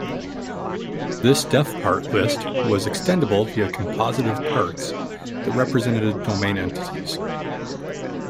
This defpart list was extendible via composited parts that represented domain entities.